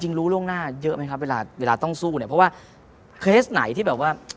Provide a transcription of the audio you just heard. รู้ล่วงหน้าเยอะไหมครับเวลาเวลาต้องสู้เนี่ยเพราะว่าเคสไหนที่แบบว่า